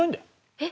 えっ？